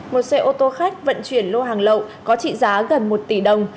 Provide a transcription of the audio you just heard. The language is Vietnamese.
một xe ô tô khách vận chuyển lô hàng lậu có trị giá gần một tỷ đồng